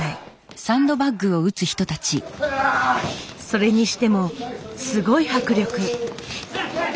それにしてもすごい迫力。